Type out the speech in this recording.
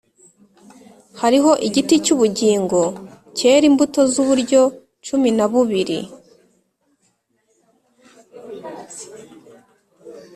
hariho igiti cy’ubugingo cyera imbuto z’uburyo cumi na bubiri,